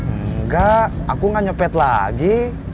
enggak aku nggak nyepet lagi